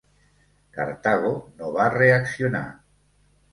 Cartago no va reaccionar.